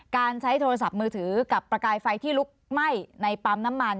การใช้โทรศัพท์มือถือกับประกายไฟที่ลุกไหม้ในปั๊มน้ำมัน